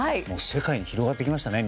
世界に広がっていきましたね。